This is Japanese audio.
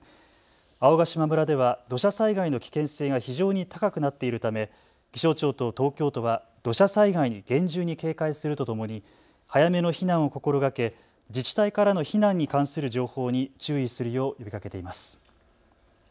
青ヶ島村では土砂災害の危険性が非常に高くなっているため気象庁と東京都は土砂災害に厳重に警戒するとともに早めの避難を心がけ自治体からの避難に関する情報に注意するよう呼びかけています。